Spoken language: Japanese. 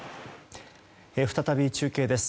再び中継です。